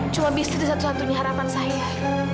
cuma bisnis satu satunya harapan saya